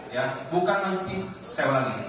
ya bukan berarti saya bilang ini